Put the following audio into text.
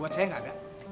buat saya gak ada